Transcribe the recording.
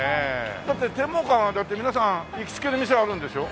だって天文館は皆さん行きつけの店あるんでしょ？